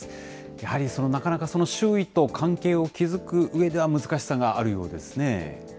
やはり、なかなか周囲と関係を築くうえでは難しさがあるようですね。